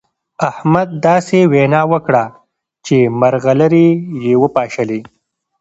احمد داسې وينا وکړه چې مرغلرې يې وپاشلې.